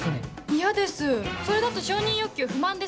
嫌ですそれだと承認欲求不満です。